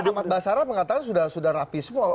ahmad basara mengatakan sudah rapi semua